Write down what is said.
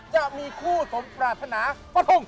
จะมีคู่สมปรารถนาฟะทง